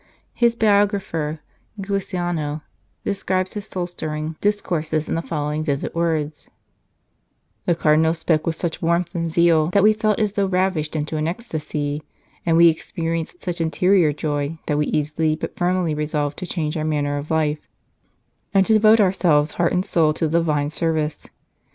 His biographer, Giussano, describes his soul stirring discourses in the following vivid words :" The Cardinal spoke with such warmth and zeal that we felt as though ravished into an ecstasy, and we experienced such interior joy that we easily but firmly resolved to change our manner of life, and to devote ourselves heart and soul to the Divine service.